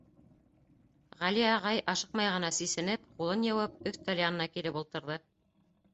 Ғәли ағай, ашыҡмай ғына сисенеп, ҡулын йыуып, өҫтәл янына килеп ултырҙы.